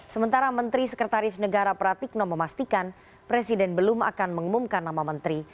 sementara menteri sekretaris negara pratikno memastikan presiden belum akan mengumumkan nama menteri